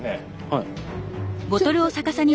はい。